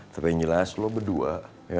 tapi yang jelas lo berdua